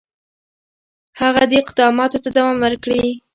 هغه دي اقداماتو ته دوام ورکړي.